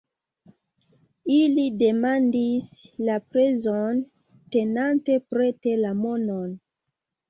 Ili demandis La prezon, tenante prete la monon.